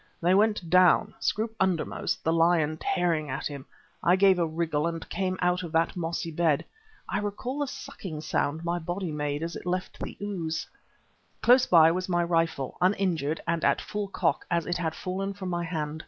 They went down, Scroope undermost, the leopard tearing at him. I gave a wriggle and came out of that mossy bed I recall the sucking sound my body made as it left the ooze. Close by was my rifle, uninjured and at full cock as it had fallen from my hand.